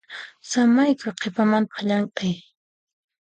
Samaykuy qhipamantaq llamk'ay.